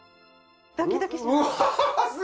ドキドキします。